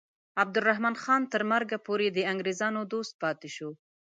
عبدالرحمن خان تر مرګه پورې د انګریزانو دوست پاتې شو.